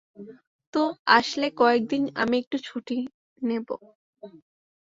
তো, আসলে কয়েকদিন আমি একটু ছুটি নেবো।